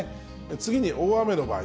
次に大雨の場合。